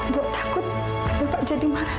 bu takut bapak jadi marah